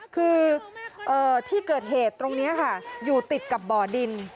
คือที่เกิดเหตุตรงนี้ค่ะอยู่ติดกับบ่อดิน